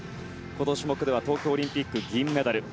この種目では東京オリンピック銀メダル。